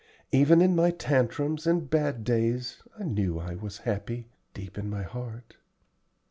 Even in my tantrums and bad days I knew I was happy, deep in my heart."